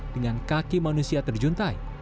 dengan kaki manusia terjuntai